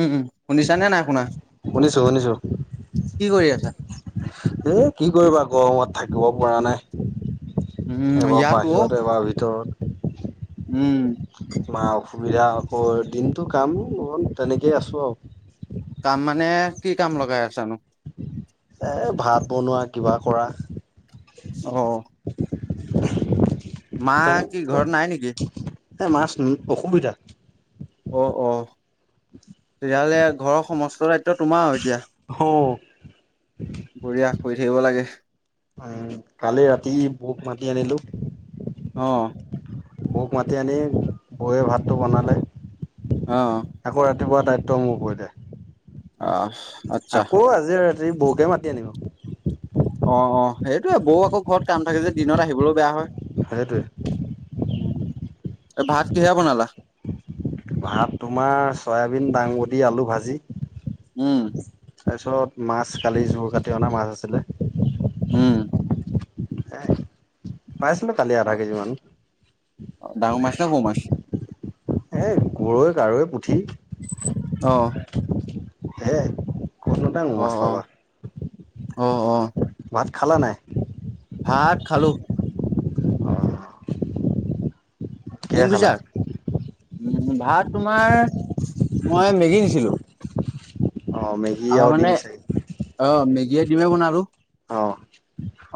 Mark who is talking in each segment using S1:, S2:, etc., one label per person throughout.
S1: উম উম শুনিছানে নাই শুনা?
S2: শুনিছো শুনিছো।
S1: কি কৰি আছা?
S2: এ কি কৰিবা গৰমত থাকিব পৰা নাই।
S1: উম
S2: এবাৰ
S1: ইয়াতো অ'
S2: বাহিৰত এবাৰ ভিতৰত।
S1: উম।
S2: তোমাৰ অসুবিধা আকৌ দিনটো কাম বন, তেনেকেই আছো আৰু।
S1: কাম মানে কি কাম লগাই আছানো?
S2: এ ভাত বনোৱা কিবা কৰা
S1: অ। মা কি ঘৰত নাই নেকি?
S2: [unintelligible] এ মাচ অসুবিধা।
S1: অ অ তেতিয়াহ'লে ঘৰৰ সমস্ত দায়িত্ব তোমাৰ আৰু এতিয়া।
S2: অ।
S1: বঢ়িয়া কৰি থাকিব লাগে।
S2: উ কালি ৰাতি বৌক মাতি আনিলো।
S1: অ।
S2: মোক মাতি আনি বৌৱে ভাতটো বনালে।
S1: অ।
S2: আকৌ ৰাতিপুৱা দায়িত্ব মোৰ
S1: আহ
S2: পৰিলে
S1: আচ্ছা
S2: আকৌ আজিৰ বৌকে মাতি আনিব
S1: অ অ সেইটোয়ে বৌ আকৌ ঘৰত কাম থাকে যে, দিনত আহিবলৈও বেয়া হয়।
S2: সেইটোৱে।
S1: উ ভাত কিহেৰা বনালা?
S2: ভাত তোমাৰ চয়াবিন, দাংবদি, আলু ভাজি।
S1: উম।
S2: তাৰ পিছত মাছ কালি জোৰ কাটি অনা মাছ আছিলে
S1: উম।
S2: এহ পাইছলৈ কালি আধা কেজিমান
S1: ডাঙৰ মাছ নে সৰু মাছ?
S2: এ গৰৈ, কাৰৈ, পুঠি
S1: অ
S2: হে
S1: অ অ অ অ।
S2: ভাত খালা নাই?
S1: ভাত খালোঁ
S2: অ কিহে
S1: টংফুছা
S2: খালা
S1: উ ভাত তোমাৰ মই মেগী নিছিলো
S2: অ ম
S1: আমাৰ মানে অ মেগীয়ে দিমে বন আৰু
S2: অ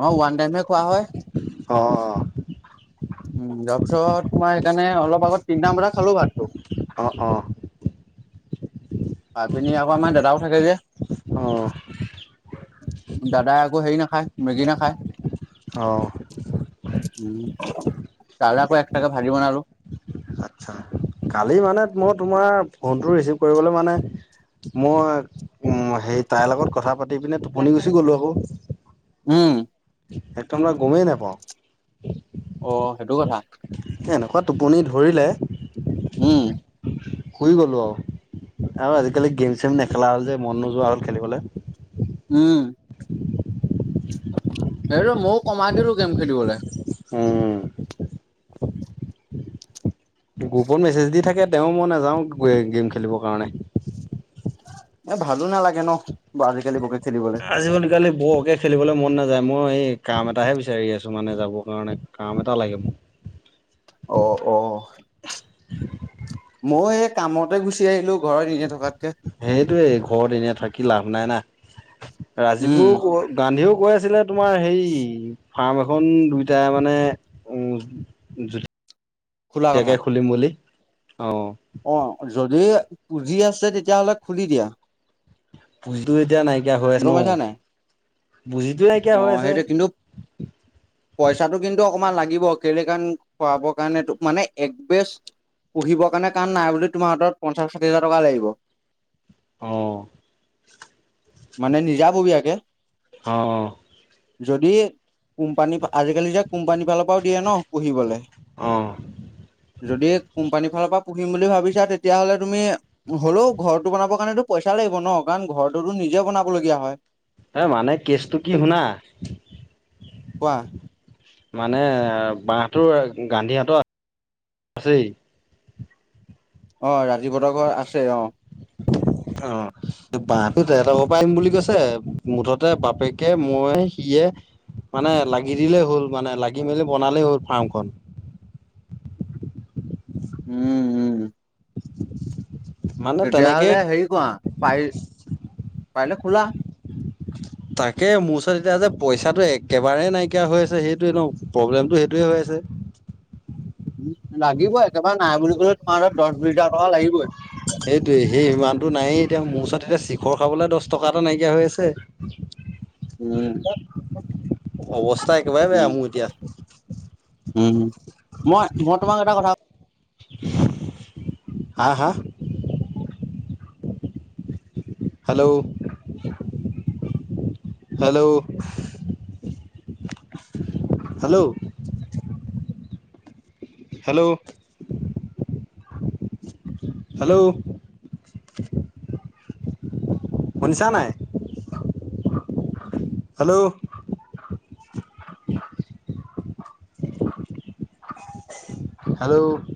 S1: আমাৰ ওৱান টাইমে খোৱা হয়
S2: অ অ
S1: উম তাৰ পিছত তোমাৰ সেইকাৰণে অলপ আগ তিনিটাম বজটা খালো ভাত
S2: অ অ
S1: আপিনি আকৌ আমাৰ দাদাও থাকে যে
S2: অ
S1: দাদাই আকৌ হেৰি নাখায় মেগী নাখায়
S2: অ
S1: উম দাদাকো আকৌ একটাকে ভাজি বনালো
S2: আচ্ছা কালি মানে মই তোমাৰ ফোনটো ৰিচিভ কৰিবলৈ মানে মই উ হে তাইৰ লগত কথা পা দি পিনে টোপনি গুচি গ'লো আকৌ
S1: উম
S2: এক টোম গমেই নোপাওঁ
S1: অ সেইটো কথা
S2: এনেকুৱা টোপনি ধৰিলে
S1: উম
S2: শুই গ'লো আৰু আৰু আজিকালি গেম চেম নেখেলা হ'ল যে মন নোযোৱা হ'ল খেলিবলে
S1: উম এই ৰ ময়ো কমাই দিলো গেম খেলিবলে
S2: উম গ্ৰুপত মেছেজ দি থাকে তেওঁ মই নাযাও গেম খেলিবৰ কাৰণে
S1: এ ভালো নালাগে ন আজিকালি বকে খেলিবলে
S2: আজিব ন কালি বৰকে খেলিবলৈ মন নাযায় মই এই কাম এটাহে বিচাৰি আছো মানে যাবৰ কাৰণে কাম এটা লাগে মোক
S1: অ অ মই এই কামতে গুচি আহিলো ঘৰত এনে থকাতকে
S2: সেইটয়ে ঘৰত এনেই থাকি লাভ নাই না
S1: উম
S2: ৰাজীৱও গান্ধীও কৈ আছিলে তোমাৰ হে ফাৰ্ম এখন দুইটাই মানে উ
S1: খোলা কথা
S2: তেকে খুলিম বুলি অ
S1: অ যদি পুঁজি আছে তেতিয়াহ'লে খুলি দিয়া
S2: বুজিতো এতিয়া নাইকিয়া হৈ আছে
S1: গম
S2: ন
S1: পাইছা নাই?
S2: বুজিটো নাইকিয়া
S1: অ'
S2: হৈ আছে
S1: সেইটো কিন্তু পইচাটো কিন্তু অকমান লাগিব খলে কাৰ খোৱাব কাৰণো মানে এক বেষ্ট পুহিব কাৰে কণ নাই বুলি তোমাৰ হাতত পঞ্চা ষাঠি হাজাৰ টকা লাগিব
S2: অ
S1: মানে নিজাববীয়াকে
S2: অ অ
S1: যদি কোম্পানী আজিকালি যে কোম্পানী ফালৰ পৰাও দিয়ে ন পুহিবলৈ
S2: অ
S1: যদি কোম্পানীৰ ফালৰ পৰা পুহিম বুলি ভাবিছা তেতিয়াহলে তুমি হ'লেও ঘৰটো বনাব কাৰণেতো পইচা লাগিব ন কাৰণ ঘৰটোতো নিজে বনাব লগীয়া হয়
S2: এ মানে কেচটো কি শুনা
S1: কোৱা
S2: মানে বাহতৰ গান্ধী হতৰ আ আছে
S1: অ ৰাজী বতৰ ঘৰ আছে অ
S2: [inaudible] অ বাহটোত এটা ঘ পৰা আহিম বুলি কৈছে মুঠতে বাপেকে মই সিয়ে মানে লাগি দিলেই হ'ল মানে লাগি মেলি বনালেই হ'ল ফাৰ্মখন
S1: উম উম
S2: মানে তেনেকে
S1: তেতিয়াহ'লে হেৰি কৰাোৱা পাৰ পাৰিলে খোলা
S2: তাকে মোৰ ওচৰত এতিয়া যে পইচাটো একেবাৰে নাইকিয়া হৈ আছে সেইটোোৱে ন প্ৰব্লেমতটো সেইটোোৱে হৈ আছে
S1: উ লাগিব একেবাৰে নাই বুলি কলে তোমাৰ ধ দহ বিশ হাৰ টকা লাগিবই
S2: সেইটোৱে সেই ইমানতটো নায়েই এতিয়া মোৰ ওচৰত এতিয়া চিখৰ খাবলৈ দহ টকা এটা নাইকিয়া হৈ আছে [inaudible]
S1: উম
S2: অৱস্থা একেবাৰে বেয়া
S1: উম,
S2: মোৰ এতিয়া
S1: মই মই তোমাক এটা কথা
S2: হা হা hello hello hello hello hello শনিছা নাই হেল্ল' আৰুল